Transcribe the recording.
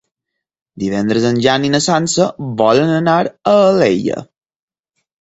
Divendres en Jan i na Sança volen anar a Alella.